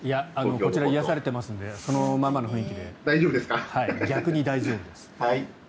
こちら癒やされてますのでそのままの雰囲気で逆に大丈夫です。